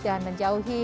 untuk melepaknya dulu